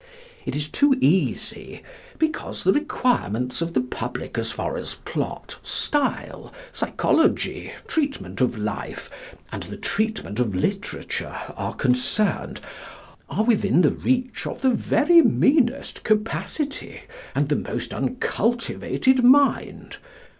It is too easy, because the requirements of the public as far as plot, style, psychology, treatment of life, and treatment of literature are concerned are within the reach of the very meanest capacity and the most uncultivated mind.